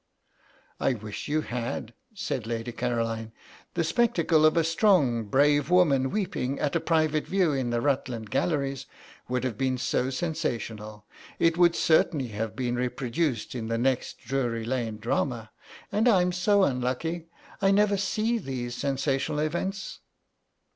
"I wish you had," said Lady Caroline; "the spectacle of a strong, brave woman weeping at a private view in the Rutland Galleries would have been so sensational. It would certainly have been reproduced in the next Drury Lane drama. And I'm so unlucky; I never see these sensational events.